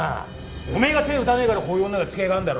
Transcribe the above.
おめぇが手打たねぇからこういう女がつけあがんだろ。